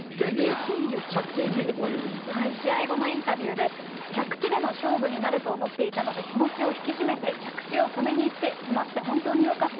着地について、こういうインタビ試合後のインタビューで、着地での勝負になると思っていたので、気持ちを引き締めて着地を止めにいって止まって、本当によかった。